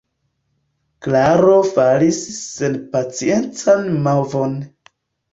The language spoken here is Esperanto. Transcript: Klaro faris senpaciencan movon.